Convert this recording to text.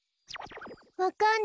わかんない。